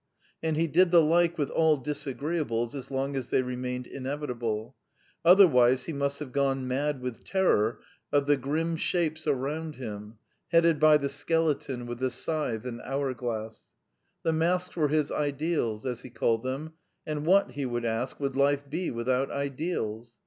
And he did the like with all disagreeables as long as they remained inevitable. Otherwise he must have gone mad with terror of the grim shapes 2 2 The Quintessence of Ibsenism around him, headed by the skeleton with the scythe and hour glass. The masks were his ideals, as he called them ; and what, he would ask, would life be without ideals